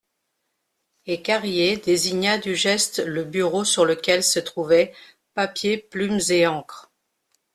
Et Carrier désigna du geste le bureau sur lequel se trouvaient papier, plumes et encre.